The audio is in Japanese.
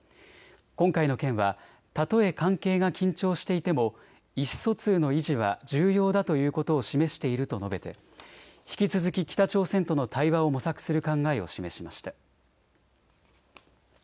今回の件はたとえ関係が緊張していても意思疎通の維持は重要だということを示していると述べて引き続き北朝鮮との対話を模索する考えを示しました。